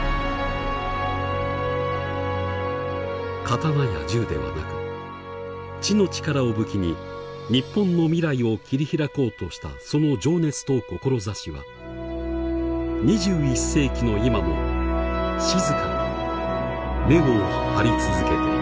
刀や銃ではなく知の力を武器に日本の未来を切り開こうとしたその情熱と志は２１世紀の今も静かに根を張り続けている。